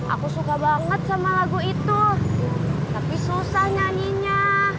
aku suka banget sama lagu itu tapi susah nyanyinya